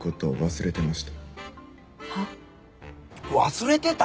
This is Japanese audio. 忘れてた！？